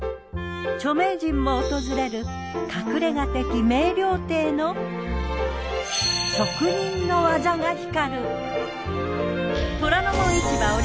著名人も訪れる隠れ家的名料亭の職人の技が光る。